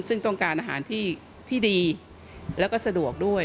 ซึ่งต้องการอาหารที่ดีแล้วก็สะดวกด้วย